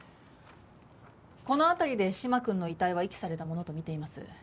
この辺りで嶋君の遺体は遺棄されたものとみています。